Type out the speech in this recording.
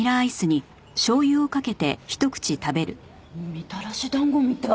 みたらし団子みたい！